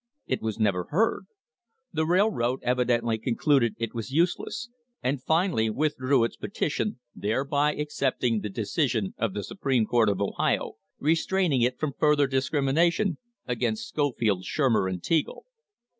It was never heard ; the railroad evidently concluded it was useless, and finally withdrew its petition, thereby accepting the decision of the Supreme Court of Ohio restraining it from further discrimination against Scofield, Shurmer and Teagle.